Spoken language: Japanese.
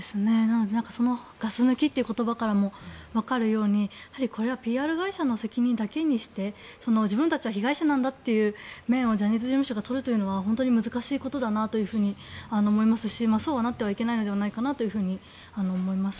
ガス抜きという言葉からもわかるようにこれはＰＲ会社の責任だけにして自分たちは被害者なんだという面をジャニーズ事務所が取るというのは本当に難しいことだなと思いますしそうはなってはいけないのではないかなと思います。